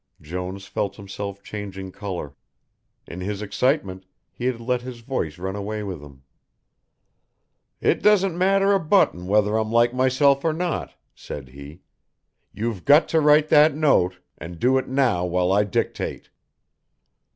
Jones felt himself changing colour. In his excitement he had let his voice run away with him. "It doesn't matter a button whether I'm like myself or not," said he, "you've got to write that note, and do it now while I dictate."